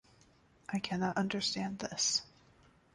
I cannot understand this.